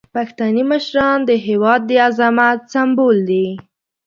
پښتني مشران د هیواد د عظمت سمبول دي.